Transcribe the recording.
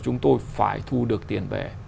chúng tôi phải thu được tiền về